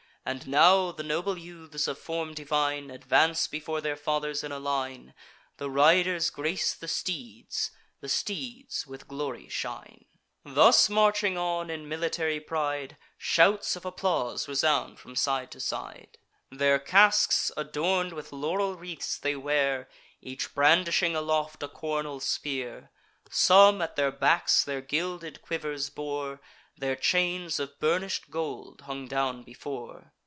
And now the noble youths, of form divine, Advance before their fathers, in a line; The riders grace the steeds; the steeds with glory shine. Thus marching on in military pride, Shouts of applause resound from side to side. Their casques adorn'd with laurel wreaths they wear, Each brandishing aloft a cornel spear. Some at their backs their gilded quivers bore; Their chains of burnish'd gold hung down before.